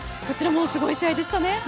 こちらもすごい試合でしたね。